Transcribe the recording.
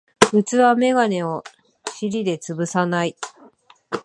普通はメガネを尻でつぶさない